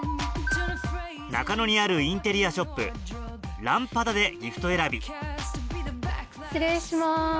中野にあるインテリアショップＬａｍｐａｄａでギフト選び失礼します。